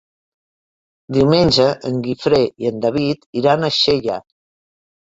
Diumenge en Guifré i en David iran a Xella.